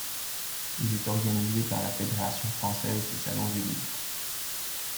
Il est organisé par la Fédération Française des Salons du Livre.